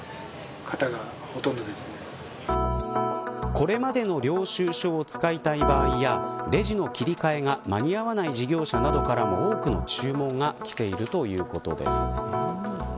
これまでの領収書を使いたい場合やレジの切り替えが間に合わない事業者などからも多くの注文が来ているということです。